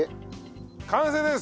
完成です！